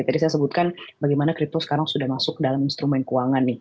tadi saya sebutkan bagaimana crypto sekarang sudah masuk dalam instrumen keuangan nih